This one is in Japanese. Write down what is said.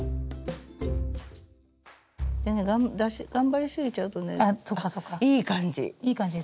でね頑張りすぎちゃうとねいい感じ。